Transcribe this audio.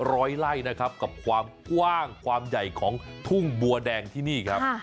ร้อยไล่นะครับกับความกว้างความใหญ่ของทุ่งบัวแดงที่นี่ครับ